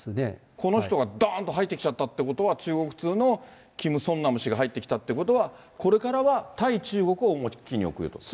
この人がどーんと入ってきちゃったということは、中国通のキム・ソンナム氏が入ってきたということは、これからは対中国を重きに置くと。